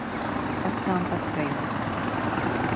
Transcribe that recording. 不三不四